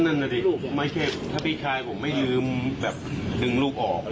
นั่นน่ะดิลูกผมไม่ใช่ถ้าพี่ชายผมไม่ลืมแบบดึงลูกออก